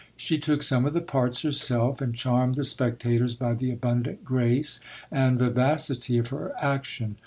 She took some of the parts herself, and charmed the spectators by the abundant grace and vivacity of her action.